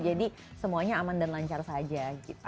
jadi semuanya aman dan lancar saja gitu